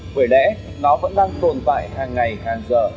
bởi lẽ nó vẫn đang tồn tại hàng ngày hàng giờ